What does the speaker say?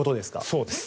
そうです。